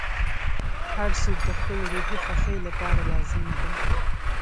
• هر څوک د خپل روحي خوښۍ لپاره لازمه ده.